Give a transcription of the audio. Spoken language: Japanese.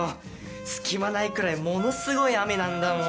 隙間ないくらいものすごい雨なんだもん。